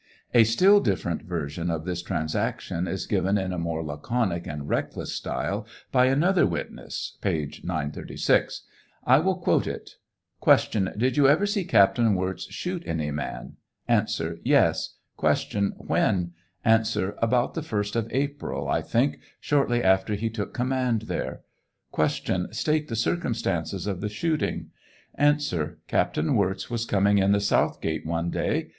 A still different version of this transaction is given in a more laconic and reck less style by another witness, (page 936.) I will quote it : Q. Did you ever see Captain Wirz shoot any man ? A. Yes. Q. When? A. About the first of April, I think, shortly after he took command there. Q. State the circumstances of the shooting. A. Captain Wirz was coming in the south gate one day.